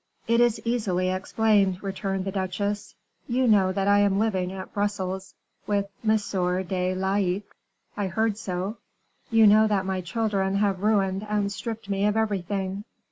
"It is easily explained," returned the duchesse. "You know that I am living at Brussels with M. de Laicques?" "I heard so." "You know that my children have ruined and stripped me of everything."